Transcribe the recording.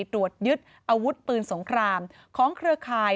ตรวจยึดอาวุธปืนสงครามของเครือข่าย